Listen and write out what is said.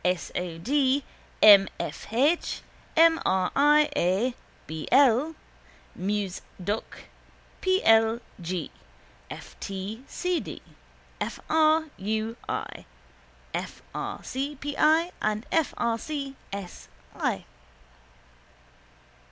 S. O. D., M. F. H., M. R. I. A., B. L., Mus. Doc., P. L. G., F. T. C. D., F. R. U. I., F. R. C. P. I. and F. R. C. S. I.